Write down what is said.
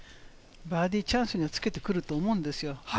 バーディーチャンスにはつけてくると思うんですよ。